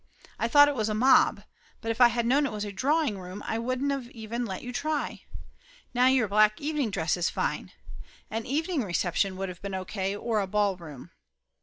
I thought it was a mob, but if I had known it was a drawing room I wouldn't of even let you try. Now your black evening dress is fine! A evening reception would of been O. K. or a ball room."